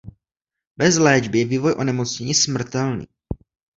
Bez léčby je vývoj onemocnění smrtelný.